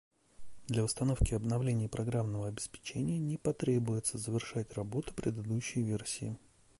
Для установки обновлений программного обеспечения не потребуется завершать работу предыдущей версии